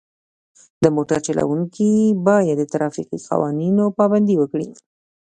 د موټر چلوونکي باید د ترافیکي قوانینو پابندي وکړي.